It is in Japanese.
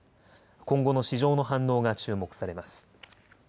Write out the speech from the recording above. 今後の市場の反応が注目されます。